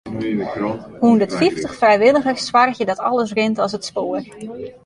Hûndertfyftich frijwilligers soargje dat alles rint as it spoar.